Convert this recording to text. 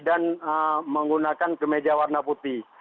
dan menggunakan kemeja warna putih